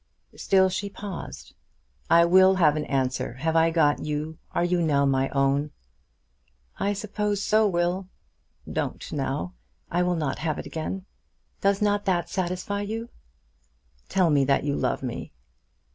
Still she paused. "I will have an answer. Have I got you? Are you now my own?" "I suppose so, Will. Don't now. I will not have it again. Does not that satisfy you?" "Tell me that you love me."